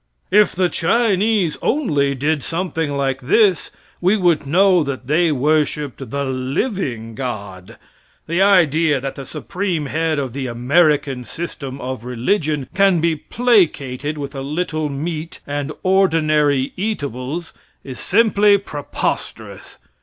If the Chinese only did something like this, we would know that they worshiped the "living" God. The idea that the supreme head of the "American system of religion" can be placated with a little meat and "ordinary eatables," is simply preposterous.